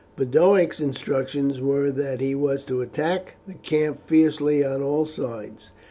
Boduoc's instructions were that he was to attack the camp fiercely on all sides.